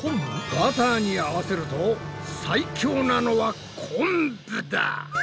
バターに合わせると最強なのはこんぶだ！